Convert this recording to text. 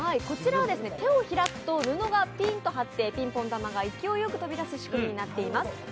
こちら、手を開くと布がピンと張ってピンポイント玉が勢いよく飛び出す仕組みになっています。